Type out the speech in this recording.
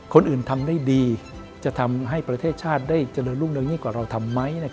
คนอื่นทำได้ดีจะทำให้ประเทศชาติได้เจริญรุ่งเรืองยิ่งกว่าเราทำไหม